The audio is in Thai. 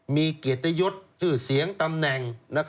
มีเกียรติยศชื่อเสียงตำแหน่ง